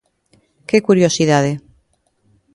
¡Que curiosidade!